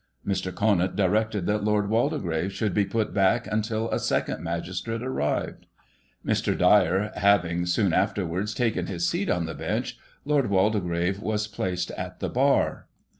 Mr. Conant directed that Lord Waldegrave should be put back imtil a second magistrate arrived. Mr. Dyer having, soon afterwards, taken his seat on the bench. Lord Waldegrave was placed at the bar.